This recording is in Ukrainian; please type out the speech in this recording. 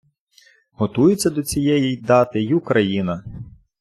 Готується до цієї дати й Україна.